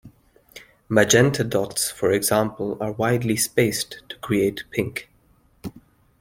Magenta dots, for example, are widely spaced to create pink.